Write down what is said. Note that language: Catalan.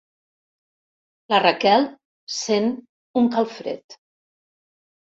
La Raquel sent un calfred.